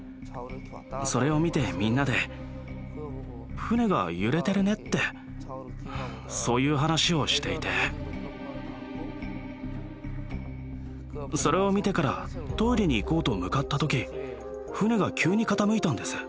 それを見てみんなで「船が揺れてるね」ってそういう話をしていてそれを見てからトイレに行こうと向かった時船が急に傾いたんです。